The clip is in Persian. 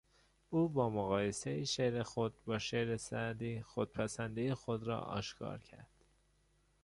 او با مقایسهی شعر خود با شعر سعدی خودپسندی خود را آشکار کرد.